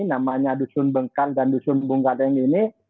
namanya dusun bengkal dan dusun bungkaleng ini